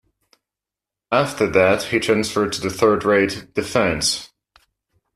After that he transferred to the third-rate "Defence".